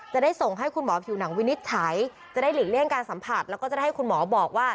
จะได้ส่งให้คุณหมอผิวหนังวินิจฉัยจะได้หลีกเลี่ยงการสัมผัสแล้วก็จะได้ให้คุณหมอบอกว่า